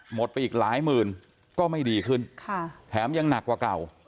หมดไปอีกหลายหมื่นก็ไม่ดีขึ้นแถมยังหนักกว่าเก่า